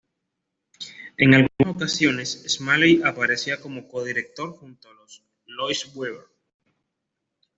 En algunas ocasiones Smalley aparecía como co-director junto a Lois Weber.